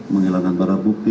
menghilangkan barang bukti